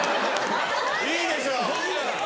いいでしょ！